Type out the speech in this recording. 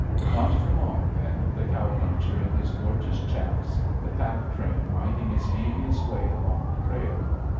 Not for long, then, the cow puncher in his gorgeous chaps, the pack train winding its devious way along the trail.